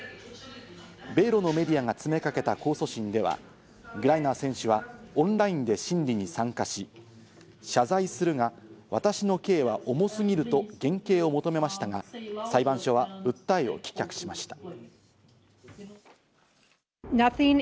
米露のメディアが詰めかけた控訴審では、グライナー選手はオンラインで審理に参加し、謝罪するが私の刑は重すぎると減刑を求めましたが、裁判所は訴えを棄却しました。